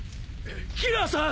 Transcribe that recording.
キラーさん！